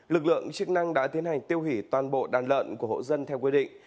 lực lượng chức năng đã tiến hành tiêu hủy toàn bộ đàn lợn của hộ dân theo quy định